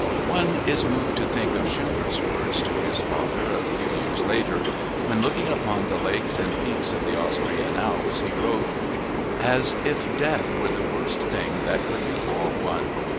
_" One is moved to think of Shubert's words to his father a few years later when, looking upon the lakes and peaks of the Austrian Alps, he wrote: "_As if death were the worst thing that could befall one